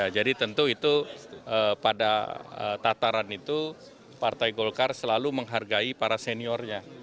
jadi tentu itu pada tataran itu partai golkar selalu menghargai para seniornya